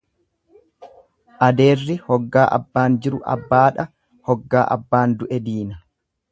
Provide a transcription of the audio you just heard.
Adeerri hoggaa abbaan jiru abbaadha, hoggaa abbaan du'e diina.